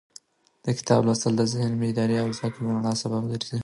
د کتاب لوستل د ذهن د بیدارۍ او د زړه د رڼا سبب ګرځي.